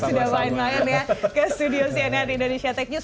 sudah lain lain ya ke studio cnn indonesia tech news